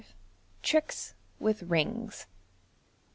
Tricks with Rings.